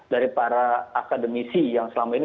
dari para akademisi yang selama ini